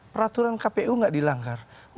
peraturan kpu gak dilanggar